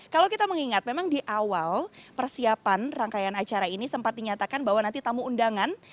kalau kita mengingat memang di awal persiapan rangkaian acara ini sempat dinyatakan bahwa nanti tamu undangan